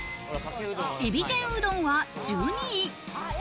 海老天うどんは１２位。